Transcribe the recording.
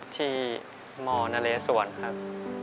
ที่มนเลสวนครับ